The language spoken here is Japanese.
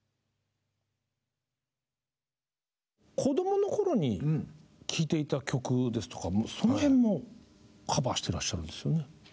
子どもの頃に聴いていた曲ですとかその辺もカバーしてらっしゃるんですよね。